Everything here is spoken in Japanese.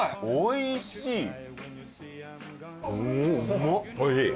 おいしい！